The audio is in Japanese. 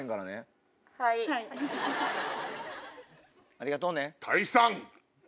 ありがとうね。